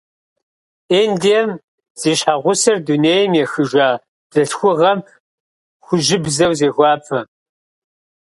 Индием зи щхьэгъусэр дунейм ехыжа бзылъхугъэм хужьыбзэу зехуапэ.